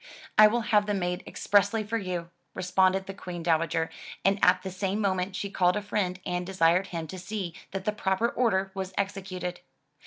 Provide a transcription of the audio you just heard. "I will have them made expressly for you," responded the Queen Dowager, and at the same moment she called a friend and desired him to see that the proper order was executed.